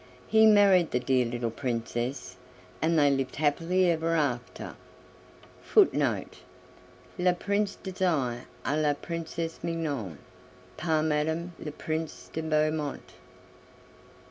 He married the Dear Little Princess, and they lived happily ever after.(1) (1) Le Prince Desir et la Princesse Mignonne. Par Madame Leprince de Beaumont.